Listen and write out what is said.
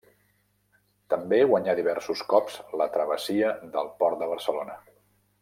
També guanyà diversos cops la Travessia del Port de Barcelona.